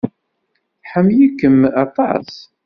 Tḥemmel-ikem aṭas.